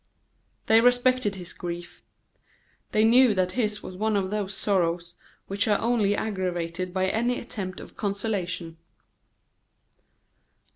They respected his grief. They knew that his was one of those sorrows which are only aggravated by any attempt at consolation.